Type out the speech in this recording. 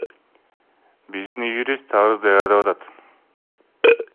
Биздин юрист арыз даярдап атат.